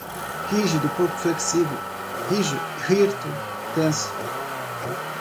rígido, pouco flexível, rijo, hirto, teso